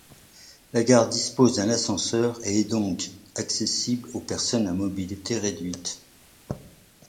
La gare dispose d'un ascenseur et est donc accessible aux personnes à mobilité réduite.